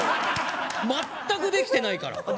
全くできてないから！